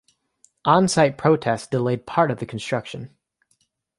On-site protests delayed part of the construction.